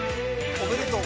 おめでとう。